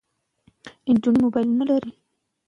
که نجونې موبایل ولري نو اړیکه به نه پرې کیږي.